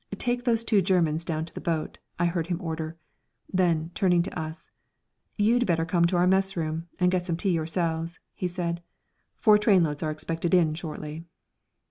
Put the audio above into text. "Take those two Germans down to the boat," I heard him order. Then, turning to us, "You'd better come to our mess room and get some tea yourselves," he said. "Four trainloads are expected in shortly."